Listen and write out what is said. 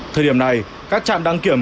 thời điểm này các trạm đăng kiểm